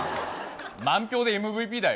満票でＭＶＰだよ。